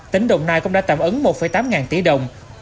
tỉnh đồng nai cũng đã tạm ứng một tám